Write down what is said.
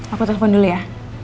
aku telepon dulu ya